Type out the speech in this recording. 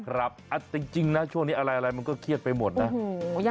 จริงนะช่วงนี้อะไรมันก็เครียดไปหมดนะ